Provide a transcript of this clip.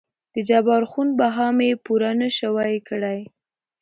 دجبار خون بها مې پوره نه شوى کړى.